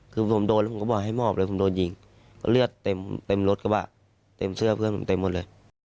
คือผมโดนแล้วผมก็บอกให้มอบเลยผมโดนยิงก็เลือดเต็มรถกระบะเต็มเสื้อเพื่อนผมเต็มหมดเลย